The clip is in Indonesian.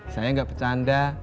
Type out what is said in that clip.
saya enggak bercanda